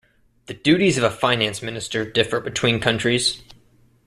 The duties of a finance minister differ between countries.